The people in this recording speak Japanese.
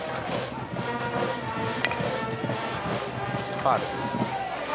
ファウルです。